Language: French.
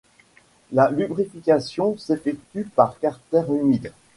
La lubrification s'effectue par carter humide.